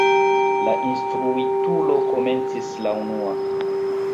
La instruitulo komencis la unua.